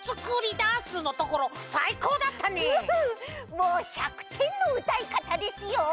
もう１００てんのうたいかたですよ。